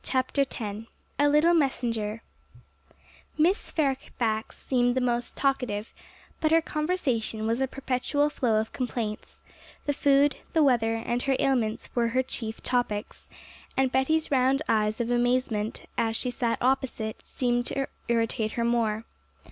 CHAPTER X A Little Messenger Miss Fairfax seemed the most talkative, but her conversation was a perpetual flow of complaints; the food, the weather, and her ailments were her chief topics, and Betty's round eyes of amazement, as she sat opposite, served to irritate her more.